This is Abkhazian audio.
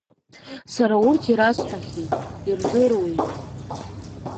Сара урҭ ирасҳәахьеит, ирдыруеит…